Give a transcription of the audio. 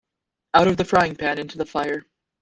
Out of the frying-pan into the fire.